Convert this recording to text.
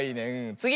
つぎ！